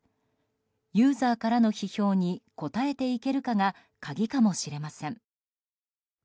ユーザーからの批評に応えていけるかが鍵かもしれません。